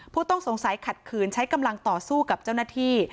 ผู้ต้องสงสัยขัดขืนใช้กำลังต่อสู้กับเจ้าหน้าที่